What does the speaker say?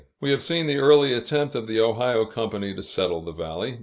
We have seen the early attempt of the Ohio Company to settle the valley.